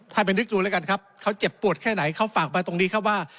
ไปนึกดูแล้วกันครับเขาเจ็บปวดแค่ไหนเขาฝากมาตรงนี้ครับว่า